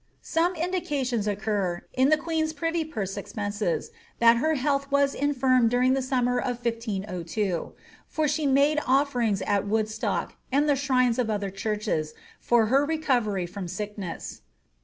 Some indications occur, in the queen's privy purse expenses, that her health was infirm during the summer of 1502; for she made ofierings at Woodstock, and the shrines of other churches, for her recovery firMi sickness.